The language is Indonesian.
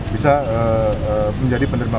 bisa menjadi penerima